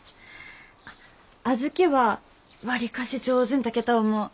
あっ小豆は割かし上手に炊けた思う。